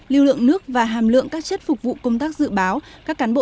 lưu lượng nước và hàm lượng các chất phục vụ công tác dự báo